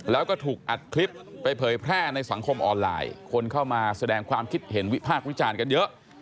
แล้วก็ถูกอัดคลิปไปเผยแพร่ในสังคมออนไลน์คนเข้ามาแสดงความคิดเห็นวิพากษ์วิจารณ์กันเยอะ